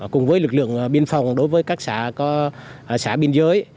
cùng với lực lượng biên phòng đối với các xã có xã biên giới